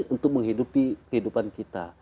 untuk menghidupi kehidupan kita